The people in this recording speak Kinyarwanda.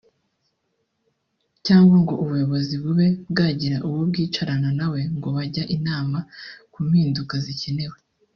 cyangwa ngo ubuyobozi bube bwagira uwo bwicarana nawe ngo bajye inama ku mpinduka zikenewe